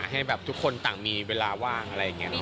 ให้แบบทุกคนต่างมีเวลาว่างแล้วยังไง